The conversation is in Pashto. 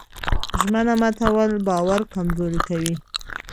ژمنه ماتول د باور کمزوري کوي.